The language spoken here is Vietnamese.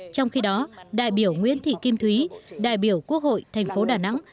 trong khi đó đại biểu nguyễn thị kim thúy đại biểu quốc hội tp đà nẵng